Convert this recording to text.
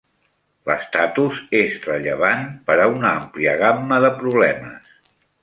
L'estatus és rellevant per a una àmplia gamma de problemes.